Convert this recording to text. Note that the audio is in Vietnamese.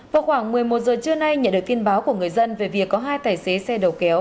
vào khoảng một mươi một giờ trưa nay nhận được tin báo của người dân về việc có hai tài xế xe đầu kéo